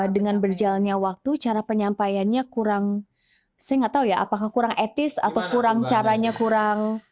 dengan berjalannya waktu cara penyampaiannya kurang saya nggak tahu ya apakah kurang etis atau kurang caranya kurang